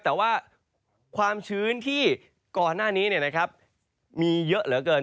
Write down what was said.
แต่ว่าความชื้นที่ก่อนหน้านี้มีเยอะเหลือเกิน